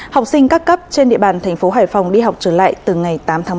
học sinh các cấp trên địa bàn thành phố hải phòng đi học trở lại từ ngày tám tháng một